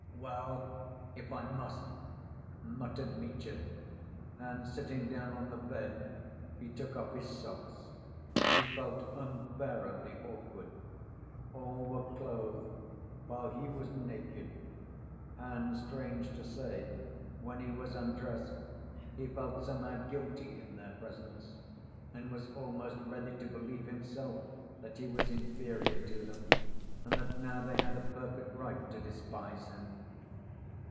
"Well, if I must—" muttered Mitya, and sitting down on the bed, he took off his socks. He felt unbearably awkward. All were clothed, while he was naked, and strange to say, when he was undressed he felt somehow guilty in their presence, and was almost ready to believe himself that he was inferior to them, and that now they had a perfect right to despise him.